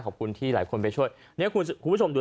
ขอบคุณที่หลายคนไปช่วยทีหลายคนดู